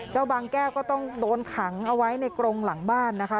บางแก้วก็ต้องโดนขังเอาไว้ในกรงหลังบ้านนะคะ